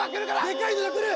でかいのが来る！